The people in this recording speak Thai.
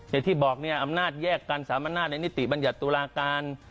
ในที่บอกอำนาจแยกกันสามัญญาณในนิติบัญญาณตุลาการ